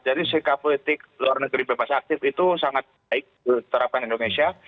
jadi sikap politik luar negeri bebas aktif itu sangat baik di terapkan indonesia